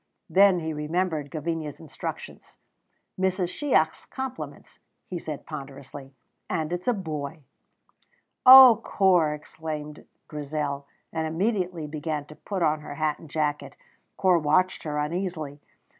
Then he remembered Gavinia's instructions. "Mrs. Shiach's compliments," he said ponderously, "and it's a boy." "Oh, Corp!" exclaimed Grizel, and immediately began to put on her hat and jacket. Corp watched her uneasily.